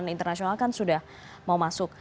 internasional kan sudah mau masuk